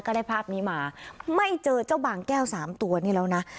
ได้ภาพนี้มาไม่เจอเจ้าบางแก้วสามตัวนี่แล้วนะ